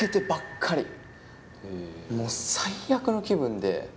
もう最悪の気分で。